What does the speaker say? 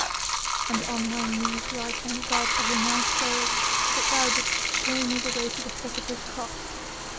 "And on my knees do I thank God, O my soul, that thou didst show me the way to the foot of His Cross.